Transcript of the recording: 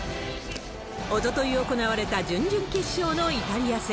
おととい、行われた準々決勝のイタリア戦。